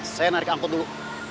saya narik angkot dulu